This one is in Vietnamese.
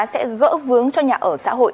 sẽ gỡ vướng cho nhà ở xã hội